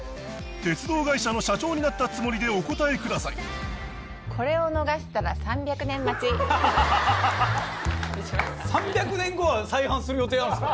鉄道会社の社長になったつもりでお答えください３００年後は再販する予定？